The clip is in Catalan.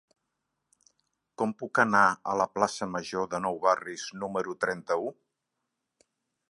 Com puc anar a la plaça Major de Nou Barris número trenta-u?